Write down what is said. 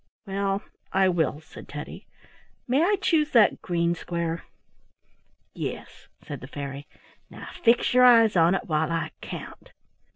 "Well, I will," said Teddy. "May I choose that green square?" "Yes," said the fairy. "Now fix your eyes on it while I count."